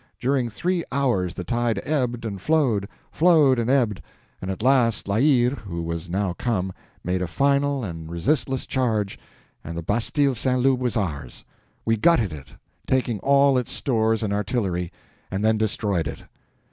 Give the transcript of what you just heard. During three hours the tide ebbed and flowed, flowed and ebbed; but at last La Hire, who was now come, made a final and resistless charge, and the bastille St. Loup was ours. We gutted it, taking all its stores and artillery, and then destroyed it.